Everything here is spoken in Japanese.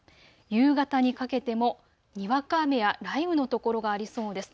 夕方にかけてもにわか雨や雷雨のところがありそうです。